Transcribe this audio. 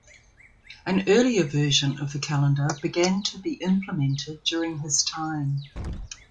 An early version of the calendar began to be implemented during his time.